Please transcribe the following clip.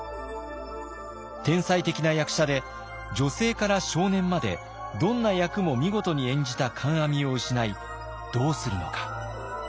天才的な役者で女性から少年までどんな役も見事に演じた観阿弥を失いどうするのか。